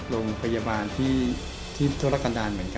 โรงพยาบาลแบบถูกต้อง